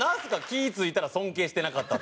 「気ぃ付いたら尊敬してなかった」